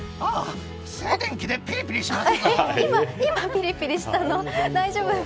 静電気でピリピリしてますよ！